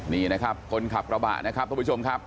นี่นะครับคนขับกระบะนะครับทุกผู้ชมครับ